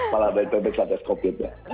pala bebek bebek saat covid ya